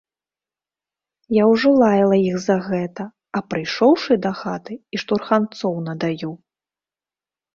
Я ўжо лаяла іх за гэта, а прыйшоўшы дахаты, і штурханцоў надаю.